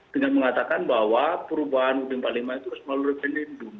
dengan mengatakan bahwa perubahan ud empat puluh lima itu harus melalui pelindung